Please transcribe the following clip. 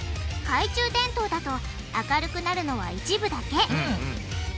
懐中電灯だと明るくなるのは一部だけ。